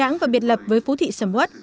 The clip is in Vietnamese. hoàng đẳng và biệt lập với phố thị sầm quất